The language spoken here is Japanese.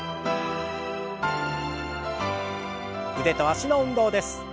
腕と脚の運動です。